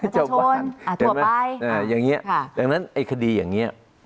ชาวบ้านทั่วไปอย่างนี้ดังนั้นไอ้คดีอย่างนี้